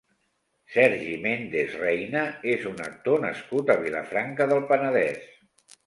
Sergi Méndez Reina és un actor nascut a Vilafranca del Penedès.